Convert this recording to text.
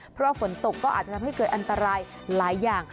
เพราะฝนตกก็อาจจะทำให้เกิดอันตรายหลายอย่าง